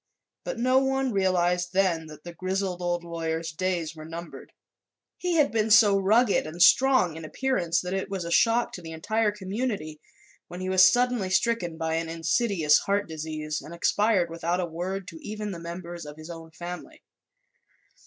But no one realized then that the grizzled old lawyer's days were numbered. He had been so rugged and strong in appearance that it was a shock to the entire community when he was suddenly stricken by an insidious heart disease and expired without a word to even the members of his own family.